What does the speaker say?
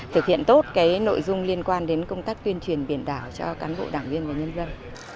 thực hiện tốt nội dung liên quan đến công tác tuyên truyền biển đảo cho cán bộ đảng viên và nhân dân